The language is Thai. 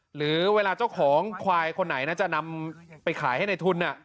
หรือเวลาเจ้าของควายคนไหนนะจะนำไปขายให้ในทุน